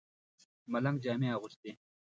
ملنګ جامې اغوستې.